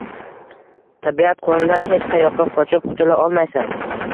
Tabiat qonunidan hech qayoqqa qochib qutula olmaysan